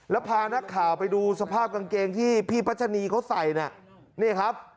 แล้วพานักข่าวไปดูสภาพกางเกงที่พี่พัชนีเขาใส่น่ะนี่ครับ